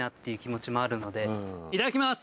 いただきます！